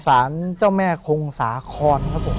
สารเจ้าแม่คงสาคอนครับผม